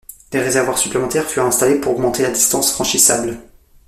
Des réservoirs supplémentaires furent installés pour augmenter la distance franchissable.